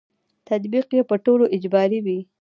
تطبیق یې په ټولو اجباري وي.